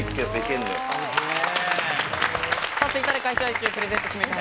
ツイッターで開催中プレゼント指名手配。